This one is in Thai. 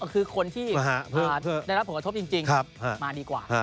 คือคนที่ได้รับหัวควรตบจริงมาดีกว่า